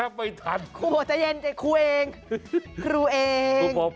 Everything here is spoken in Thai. ค่ะค่ะขวานที่มา